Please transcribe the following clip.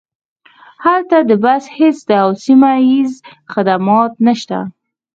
هلته د بس هیڅ ډول سیمه ییز خدمات نشته